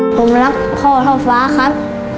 ผมรักพ่อเท่าฟ้าครับ